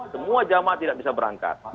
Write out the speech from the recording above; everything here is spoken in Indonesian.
semua jamaah tidak bisa berangkat